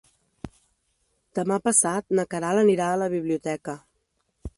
Demà passat na Queralt anirà a la biblioteca.